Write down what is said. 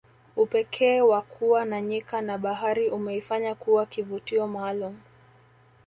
upekee wa kuwa na nyika na bahari umeifanya kuwa kivutio maalum